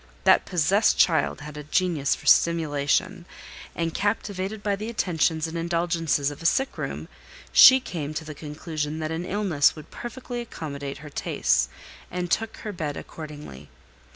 That possessed child had a genius for simulation, and captivated by the attentions and indulgences of a sick room, she came to the conclusion that an illness would perfectly accommodate her tastes, and took her bed accordingly.